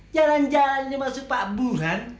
jalan jalan yang masuk pak burhan